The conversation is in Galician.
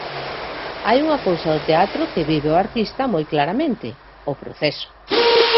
Hai unha cousa do teatro que vive o artista moi claramente: o proceso.